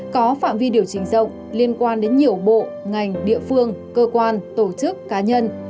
có phạm vi điều chỉnh rộng liên quan đến nhiều bộ ngành địa phương cơ quan tổ chức cá nhân